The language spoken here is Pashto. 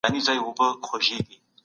پوهان باید بېطرفه پاته سي.